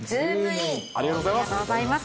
ありがとうございます。